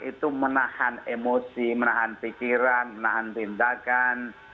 itu menahan emosi menahan pikiran menahan tindakan